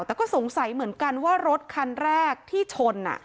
แต่ก็สงสัยเหมือนกันว่ารถคันแรกที่ชน